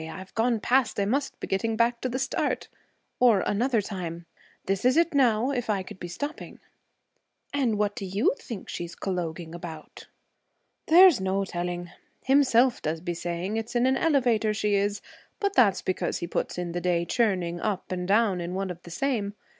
"I've gone past. I must be getting back to the start." Or, another time, "This is it, now. If I could be stopping!"' 'And what do you think she is colloguing about?' 'There's no telling. Himself does be saying it's in an elevator she is, but that's because he puts in the day churning up and down in one of the same.